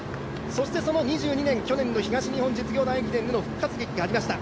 そしてその２２年、去年の東日本実業団駅伝の復活劇がありました。